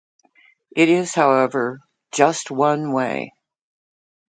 It is, however, just one way.